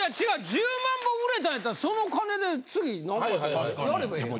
１０万本売れたんやったらその金で次なんかやればええやん。